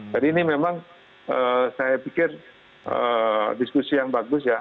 jadi ini memang saya pikir diskusi yang bagus ya